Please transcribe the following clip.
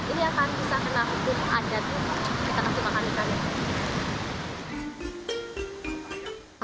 ini akan bisa kena hukum adat ikan ikan